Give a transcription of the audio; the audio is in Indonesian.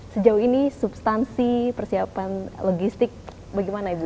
sejauh ini substansi persiapan logistik bagaimana ibu